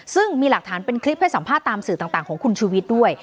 ซึ่งมีหลักฐานเป็นคลิปให้สัมภาษณ์ตามสื่อต่างของคุณชูวิทย์ด้วย